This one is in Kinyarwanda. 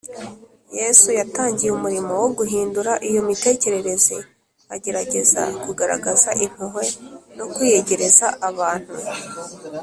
Yesu yatangiye umurimo wo guhindura iyo mitekerereze agerageza kugaragaza impuhwe no kwiyegereza abantu